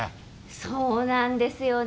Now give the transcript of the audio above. そうなんですよね。